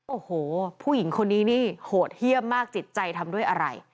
โอ้โหผู้หญิงคนนี้นี่โหดเยี่ยมมากจิตใจทำด้วยอะไร